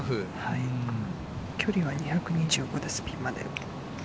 距離は２２５です、ピンまで。